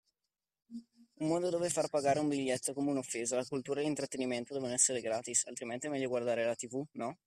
Un mondo dove far pagare un biglietto è come un’offesa, la cultura e l’intrattenimento devono essere gratis, altrimenti è meglio guardare la tv, no?